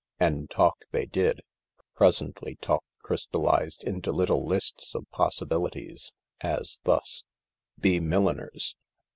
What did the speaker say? And talk they did. Presently talk crystallised into little lists of possibili ties. As thus : Be milliners.